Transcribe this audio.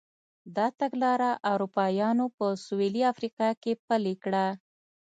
دا تګلاره اروپایانو په سوېلي افریقا کې پلې کړه.